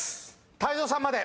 泰造さんまで。